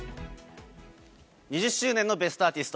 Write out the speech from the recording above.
２０周年のベストアーティスト。